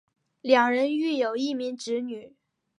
两人育有一名子女。